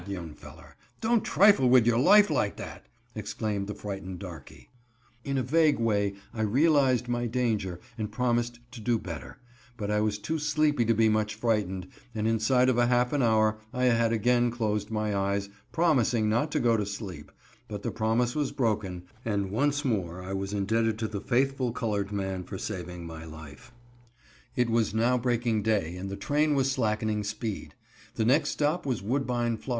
young feller, don't trifle wid your life like dat," exclaimed the frightened darkey. In a vague way I realized my danger and promised to do better, but I was too sleepy to be much frightened, and inside of a half an hour I had again closed my eyes, promising not to go to sleep, but the promise was broken, and once more I was indebted to the faithful colored man for saving my life. [Illustration: "Good God! young feller, don't trifle wid your life like dat," exclaimed the frightened darky.] It was now breaking day and the train was slackening speed. The next stop was Woodbine, Fla.